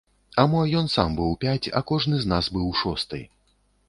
А мо ён сам быў пяць, а кожны з нас быў шосты.